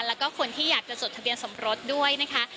แล้วก็คนที่อยากจะจดทะเบียนสมรสด้วยนะคะ